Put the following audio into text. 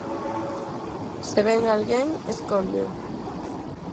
Se vén alguén, escóndeo.